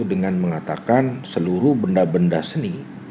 dengan mengatakan seluruh benda benda seni